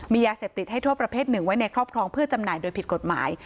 มียาเสพติดให้โทษประเภทหนึ่งไว้ในครอบครองเพื่อจำหน่ายโดยผิดกฎหมาย